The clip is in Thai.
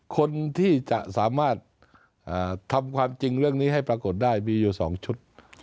คนที่จะสามารถทำความจริงเรื่องนี้ให้ปรากฏได้มีอยู่๒ชุด